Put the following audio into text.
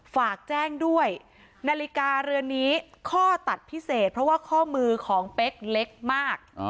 ฝากแจ้งด้วยนาฬิกาเรือนนี้ข้อตัดพิเศษเพราะว่าข้อมือของเป๊กเล็กมาก